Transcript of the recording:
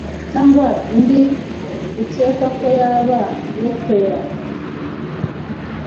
cyangwa indi ukeka ko yaba ibitera,